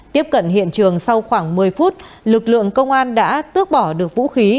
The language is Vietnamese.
tiếp cận hiện trường sau khoảng một mươi phút lực lượng công an đã tước bỏ được vũ khí